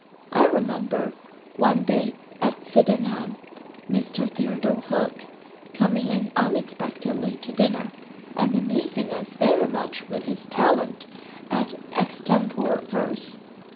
] "I remember, one day at Sydenham, Mr. Theodore Hook coming in unexpectedly to dinner, and amusing us very much with his talent at extempore verse.